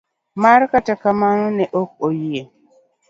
D. mar Kata kamano, ne ok oyie.